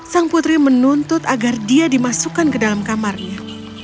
sang putri menuntut agar dia dimasukkan ke dalam kamarnya